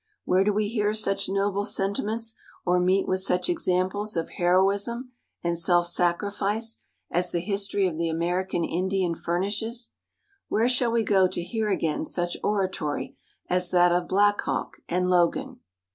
Where do we hear such noble sentiments or meet with such examples of heroism and self sacrifice as the history of the American Indian furnishes? Where shall we go to hear again such oratory as that of Black Hawk and Logan?